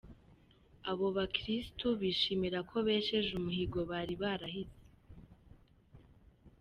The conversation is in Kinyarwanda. Abo bakristu bishimira ko besheje umuhigo bari barahize.